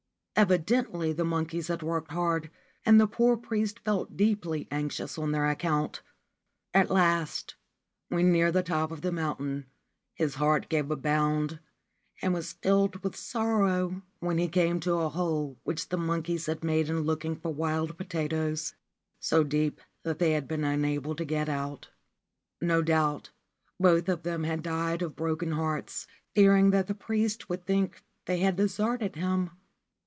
Evidently the monkeys had worked hard, and the poor priest felt deeply anxious on their account. At last, when near the top of the mountain, his heart gave a bound and was filled with sorrow when he came to a hole which the monkeys had made in looking for wild potatoes — so deep that they had been unable to get out. No doubt both of them had died of broken hearts, fearing that the priest would think they had deserted him.